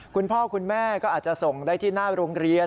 คุณพ่อคุณแม่ก็อาจจะส่งได้ที่หน้าโรงเรียน